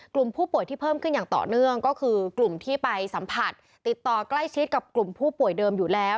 กลุ่มผู้ป่วยที่เพิ่มขึ้นอย่างต่อเนื่องก็คือกลุ่มที่ไปสัมผัสติดต่อใกล้ชิดกับกลุ่มผู้ป่วยเดิมอยู่แล้ว